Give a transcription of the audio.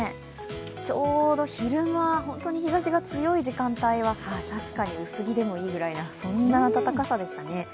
ちょうど昼間、本当に日ざしが強い時間帯は確かに、薄着でもいいぐらいなそんな暖かさでしたね。